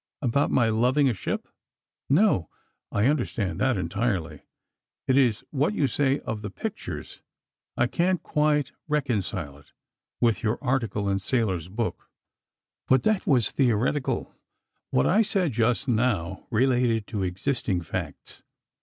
"About my loving a ship?" "No, I understand that—entirely. It is what you say of the pictures ... I can't quite reconcile it with your article in Sayler's book." "But that was theoretical. What I said just now related to existing facts.